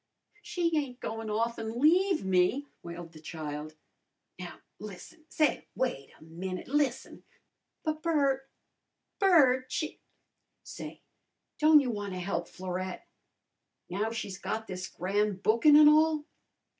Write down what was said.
"She ain't goin' off an' leave me!" wailed the child. "Now, lissen! Say, wait a minute! Lissen!" "But, Bert! Bert! She " "Say, don't you wanna help Florette, now she's got this gran' bookin' an' all?"